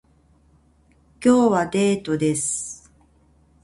今日はデートです